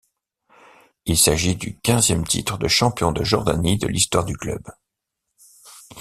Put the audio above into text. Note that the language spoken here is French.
Il s'agit du quinzième titre de champion de Jordanie de l'histoire du club.